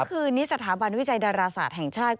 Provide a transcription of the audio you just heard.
คืนนี้สถาบันวิจัยดาราศาสตร์แห่งชาติ